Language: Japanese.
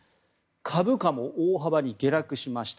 株価も大幅に下落しました。